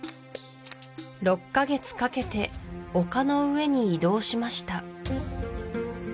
６カ月かけて丘の上に移動しました